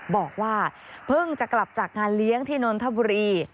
บอกว่าเพิ่งจะกลับจากงานเลี้ยงที่นนทบุรี